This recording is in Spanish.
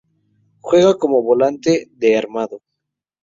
Juega como volante de armado.